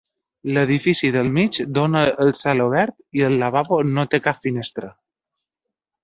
L'edifici del mig dona al celobert i el lavabo no té cap finestra.